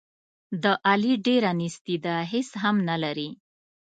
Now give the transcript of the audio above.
د علي ډېره نیستي ده، هېڅ هم نه لري.